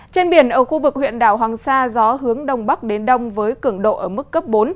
trên biển ở khu vực huyện đảo hoàng sa gió hướng đông bắc đến đông với cường độ ở mức cấp bốn